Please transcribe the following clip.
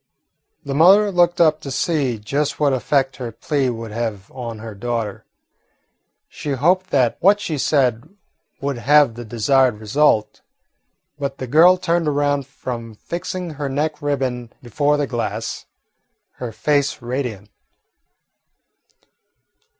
The mother looked up to see just what effect her plea would have on her daughter. She hoped that what she said would have the desired result. But the girl turned around from fixing her neck ribbon before the glass, her face radiant.